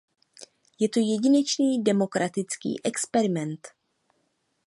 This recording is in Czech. Je to jedinečný demokratický experiment.